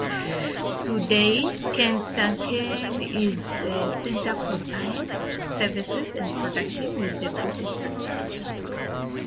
Today, Gelsenkirchen is a centre for sciences, services, and production, with good infrastructure.